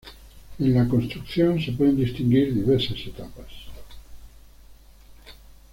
En la construcción se pueden distinguir diversas etapas.